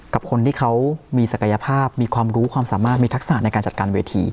กับคนที่เขามีศักยภาพมีความรู้ความสามารถมีทักษะในการจัดการเวที